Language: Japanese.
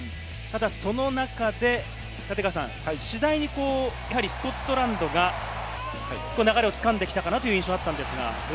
ただその中で次第にスコットランドが流れを掴んできたかなという印象があったんですが。